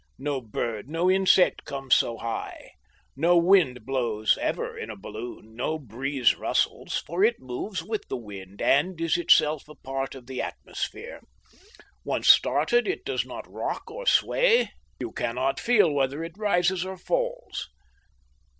No bird, no insect comes so high. No wind blows ever in a balloon, no breeze rustles, for it moves with the wind and is itself a part of the atmosphere. Once started, it does not rock nor sway; you cannot feel whether it rises or falls.